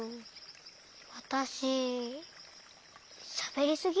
わたししゃべりすぎ？